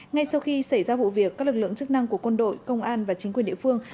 ngay sau khi xảy ra vụ việc các lực lượng chức năng của quân đội công an và chính quyền địa phương